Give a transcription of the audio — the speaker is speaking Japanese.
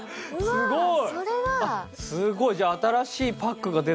すごい！